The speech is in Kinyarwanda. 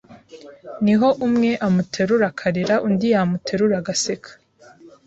niho umwe amuterura akarira undi yamuterura agaseka.